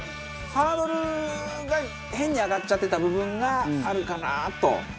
ハードルが変に上がっちゃってた部分があるかなというのが。